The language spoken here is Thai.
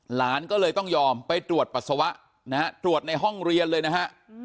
หลานก็เลยต้องยอมไปตรวจปัสสาวะนะฮะตรวจในห้องเรียนเลยนะฮะ